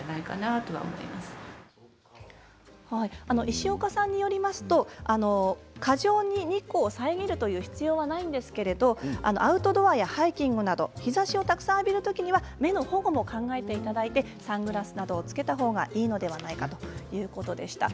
石岡さんによりますと過剰に日光を遮るという必要はないんですけれどアウトドアやハイキングなど日ざしをたくさん浴びる時には目の保護も考えていただいてサングラスなどを着けたほうがいいのではないかということでした。